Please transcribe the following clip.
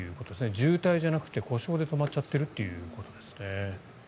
渋滞じゃなくて故障で止まっちゃってるってことですね。